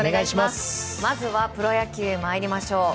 まずはプロ野球参りましょう。